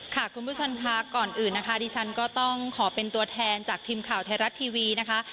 คุณผู้ชมค่ะก่อนอื่นนะคะดิฉันก็ต้องขอเป็นตัวแทนจากทีมข่าวไทยรัฐทีวีนะคะ